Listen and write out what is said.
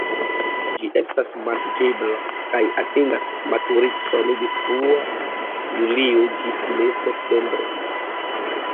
Ĝi estas manĝebla, kaj atingas maturecon de frua julio ĝis mez-septembro.